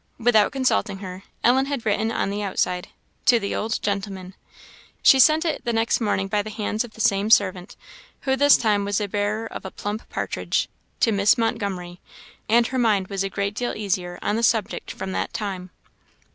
Without consulting her, Ellen had written on the outside, "To the old gentleman." She sent it the next morning by the hands of the same servant, who this time was the bearer of a plump partridge "To Miss Montgomery;" and her mind was a great deal easier on this subject from that time.